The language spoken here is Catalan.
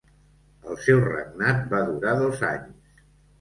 El seu regnat va durar dos anys.